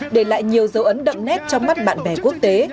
để lại nhiều dấu ấn đậm nét trong mắt bạn bè quốc tế